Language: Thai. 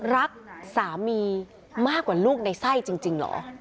รักสามีมากกว่าลูกในไส้จริงเหรอ